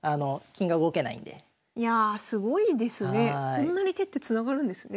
こんなに手ってつながるんですね。